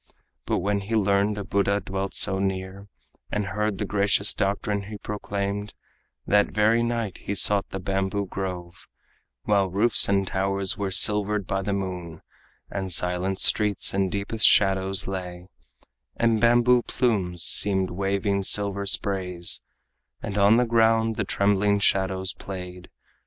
But when he learned a Buddha dwelt so near, And heard the gracious doctrine he proclaimed, That very night he sought the bamboo grove, While roofs and towers were silvered by the moon, And silent streets in deepest shadows lay, And bamboo plumes seemed waving silver sprays, And on the ground the trembling shadows played.